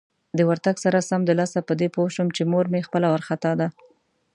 د ورتګ سره سمدلاسه په دې پوه شوم چې مور مې خپله وارخطا ده.